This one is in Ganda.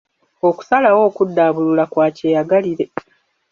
Okusalawo okuddaabulula kwa kyeyagalire.